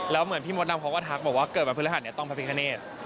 แล้วเหมือนพี่มดดำเขาก็ทักบอกว่าเกิดมาพื้นรหัสต้องปราพิกาเนต